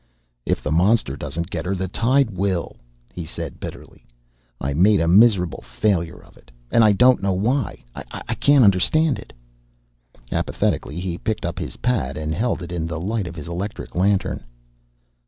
"If the monster doesn't get her, the tide will!" he said bitterly. "I made a miserable failure of it! And I don't know why! I can't understand it!" Apathetically, he picked up his pad and held it in the light of his electric lantern.